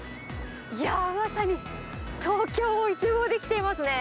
いやー、まさに東京を一望できていますね。